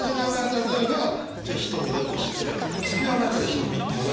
例えばじゃあひとみだとしてつきあう前から「ひとみ」って呼んでた。